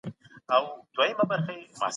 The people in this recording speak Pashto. سیاست ځواک او قدرت ته اړتیا لري.